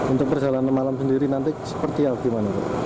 untuk perjalanan malam sendiri nanti seperti apa